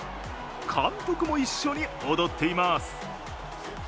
監督も一緒に踊っています。